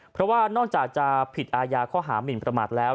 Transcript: เพราะว่านอกจากจะผิดอายาข้อหามินประมาทแล้ว